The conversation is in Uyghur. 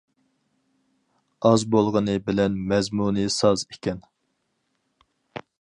ئاز بولغىنى بىلەن مەزمۇنى ساز ئىكەن.